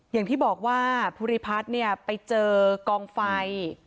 อย่างที่บอกว่าภูริพัฒน์เนี่ยไปเจอกองไฟ